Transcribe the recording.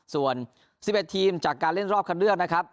ส่วน๑๑ทีมจากการเล่นรอบคันเลือกนะครับ